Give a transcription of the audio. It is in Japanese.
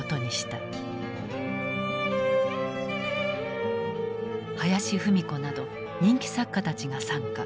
林芙美子など人気作家たちが参加。